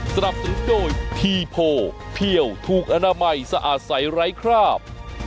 สนับสนุนโดยทีโพเพี่ยวถูกอนามัยสะอาดใสไร้คราบ